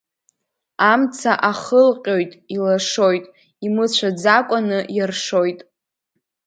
Амца ахылҟьоит, илашоит, имыцәаӡакәаны иаршоит.